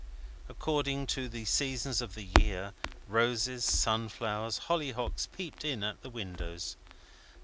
According to the seasons of the year, roses, sunflowers, hollyhocks, peeped in at the windows.